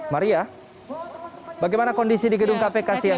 maria bagaimana kondisi di gedung kpk siang